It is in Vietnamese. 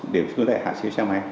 để có thể hạ siêu xe máy